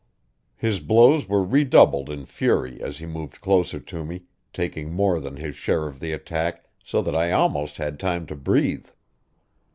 His blows were redoubled in fury as he moved closer to me, taking more than his share of the attack, so that I almost had time to breathe.